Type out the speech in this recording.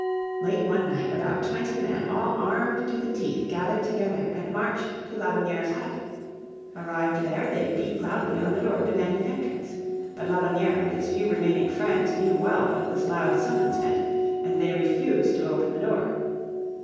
Late one night about twenty men all armed to the teeth gathered together and marched to Laudonnière's hut. Arrived there they beat loudly on the door demanding entrance. But Laudonnière and his few remaining friends knew well what this loud summons meant, and they refused to open the door.